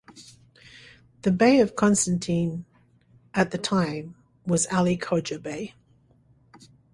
The Bey of Constantine at the time was Ali Khodja Bey.